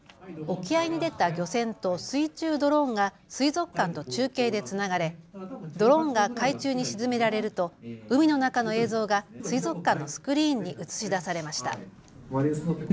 沖合に出た漁船と水中ドローンが水族館と中継でつながれドローンが海中に沈められると海の中の映像が水族館のスクリーンに映し出されました。